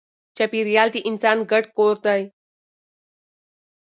چاپېریال د انسان ګډ کور دی.